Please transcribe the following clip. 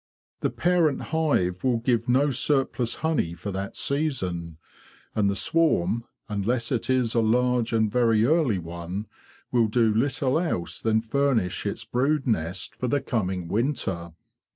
The parent hive will give no surplus honey for that season; and the swarm, unless it is a large and very early one, will do little else than furnish its brood nest for the coming winter.